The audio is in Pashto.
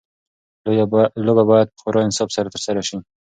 لوبه باید په خورا انصاف سره ترسره شي.